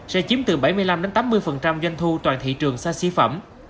sẽ chiếm từ bảy mươi năm tám mươi doanh thu toàn thị trường xa xí phẩm